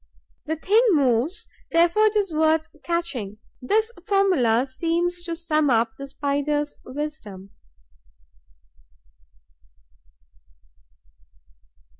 The thing moves, therefore it is worth catching: this formula seems to sum up the Spider's wisdom.